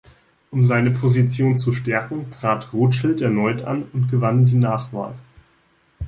Um seine Position zu stärken, trat Rothschild erneut an und gewann die Nachwahl.